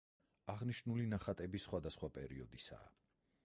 აღნიშნული ნახატები სხვადასხვა პერიოდისაა.